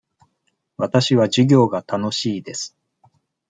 わたしは授業が楽しいです。